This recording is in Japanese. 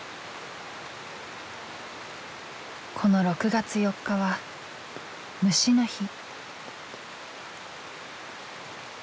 この６月４日は「虫の日」。